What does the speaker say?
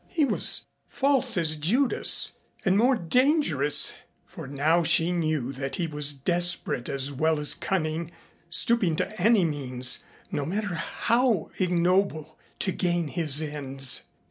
He was false as Judas and more dangerous, for now she knew that he was desperate as well as cunning, stooping to any means, no matter how ignoble, to gain his ends.